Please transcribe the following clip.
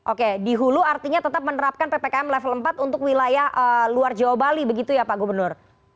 oke di hulu artinya tetap menerapkan ppkm level empat untuk wilayah luar jawa bali begitu ya pak gubernur